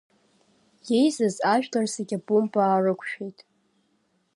Иеизаз ажәлар зегьы абомба аарықәшәеит.